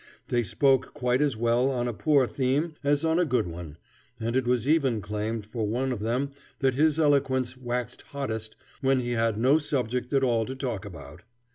They spoke quite as well on a poor theme as on a good one, and it was even claimed for one of them that his eloquence waxed hottest when he had no subject at all to talk about.